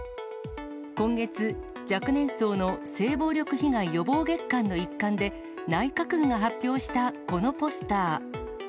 今月、若年層の性暴力被害予防月間の一環で、内閣府が発表したこのポスター。